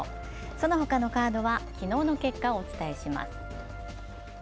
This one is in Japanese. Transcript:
そのほかのカードは昨日の結果をお伝えします。